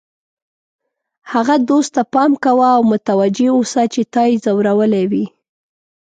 هغه دوست ته پام کوه او متوجه اوسه چې تا یې ځورولی وي.